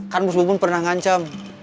kan bos bubun pernah ngancem